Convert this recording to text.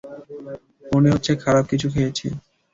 মনে হচ্ছে খারাপ কিছু খেয়েছি।